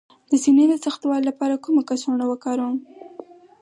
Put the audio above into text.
د سینې د سختوالي لپاره کومه کڅوړه وکاروم؟